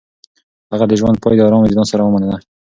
هغه د ژوند پاى د ارام وجدان سره ومنله.